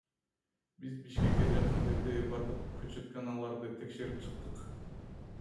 Биз Бишкекке жакын жердеги бардык көчөтканаларды текшерип чыктык.